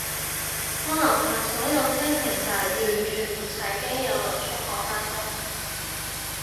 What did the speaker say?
我樓下所有車停晒，完全唔使驚有人催我返工